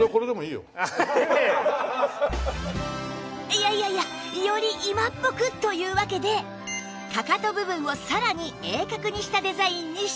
いやいやいやより今っぽくというわけでかかと部分をさらに鋭角にしたデザインに修正